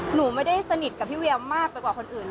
หนูไม่ได้สนิทกับพี่เวียวมากไปกว่าคนอื่น